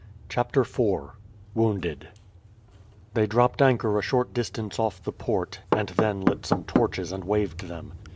CHAPTER IV WOUNDED They dropped anchor a short distance off the port, and then lit some torches and waved them.